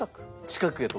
近く？